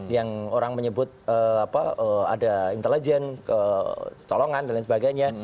yang orang menyebut ada intelijen kecolongan dan lain sebagainya